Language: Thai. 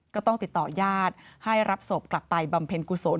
ก็ต้องติดต่อญาติให้รับศพกลับไปบำเพ็ญกุศล